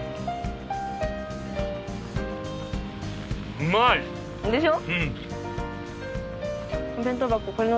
うまい！でしょ？